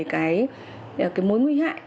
cái mối nguy hại